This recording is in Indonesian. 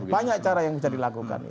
banyak cara yang bisa dilakukan